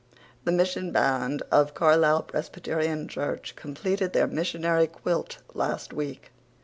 The Mission Band of Carlisle Presbyterian Church completed their missionary quilt last week.